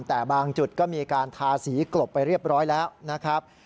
แต่บางจุดก็มีการทาสีกลบไปเรียบร้อยแล้วนะครับ